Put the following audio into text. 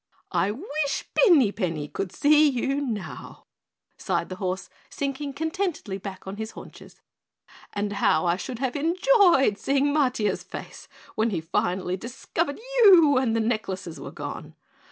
"I wish Pinny Penny could see you now," sighed the horse, sinking contentedly back on his haunches, "and how I should have enjoyed seeing Matiah's face when he finally discovered you and the necklaces were gone.